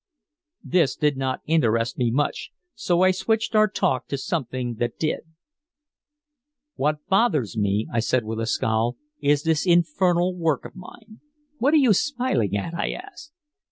This did not interest me much, so I switched our talk to something that did. "What bothers me," I said with a scowl, "is this infernal work of mine. What are you smiling at?" I asked.